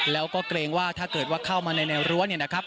แล้วก็เกรงว่าถ้าเกิดเข้ามาในแนวรั้ว